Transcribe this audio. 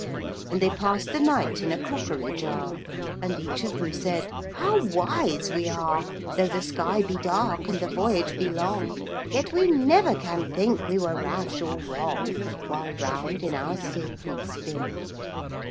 And they pass'd the night in a crockery jar; And each of them said, "How wise we are! Though the sky be dark, and the voyage be long, Yet we never can think we were rash or wrong, While round in our sieve we spin."